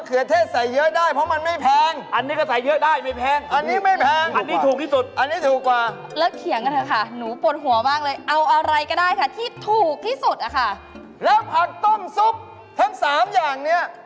ขนาดพระเทศยังว่ามะเขือเทศเราก็ต้องว่าย